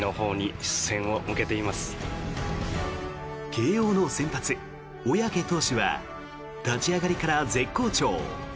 慶応の先発、小宅投手は立ち上がりから絶好調。